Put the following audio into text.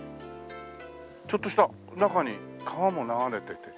ちょっとした中に川も流れてて。